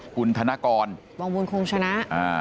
คุณธนกรวงบุญคลวงชนะอ่า